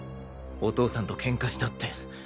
お父さんとケンカしたって。